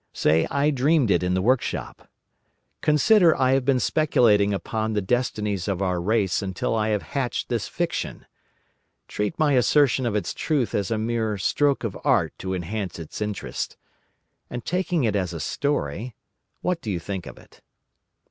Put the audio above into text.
Say I dreamed it in the workshop. Consider I have been speculating upon the destinies of our race, until I have hatched this fiction. Treat my assertion of its truth as a mere stroke of art to enhance its interest. And taking it as a story, what do you think of it?"